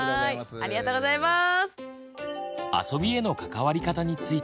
ありがとうございます。